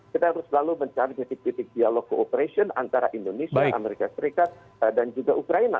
kita harus selalu mencari titik titik dialog cooperation antara indonesia amerika serikat dan juga ukraina